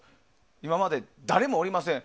今まで誰もおりません。